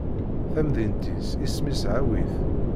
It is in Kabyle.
tamdint-is isem-is Ɛawit.